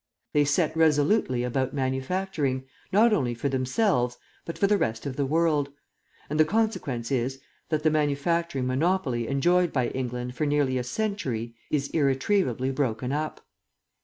They set resolutely about manufacturing, not only for themselves, but for the rest of the world; and the consequence is, that the manufacturing monopoly enjoyed by England for nearly a century is irretrievably broken up.